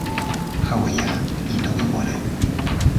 Hawaià i Toki Pona.